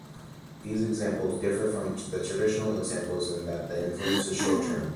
These examples differ from the traditional examples in that the influence is short term.